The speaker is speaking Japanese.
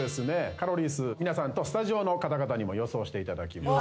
カロリー数皆さんとスタジオの方々にも予想していただきます。